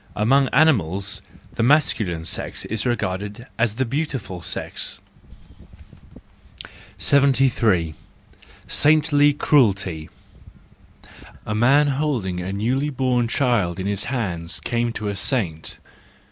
—Among animals the masculine sex is regarded as the beautiful sex. io6 THE JOYFUL WISDOM, II 73 * Saintly Cruelty .—A man holding a newly born child in his hands came to a saint.